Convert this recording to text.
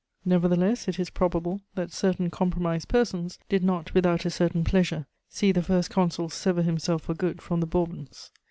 Nevertheless it is probable that certain compromised persons did not without a certain pleasure see the First Consul sever himself for good from the Bourbons.